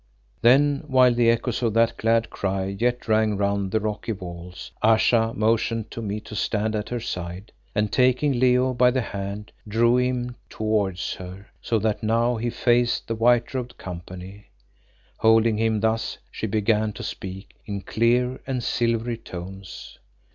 Then while the echoes of that glad cry yet rang round the rocky walls, Ayesha motioned to me to stand at her side, and taking Leo by the hand drew him towards her, so that now he faced the white robed company. Holding him thus she began to speak in clear and silvery tones.